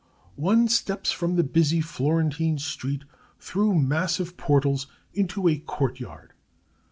One steps from the busy Florentine street, through massive portals, into a courtyard.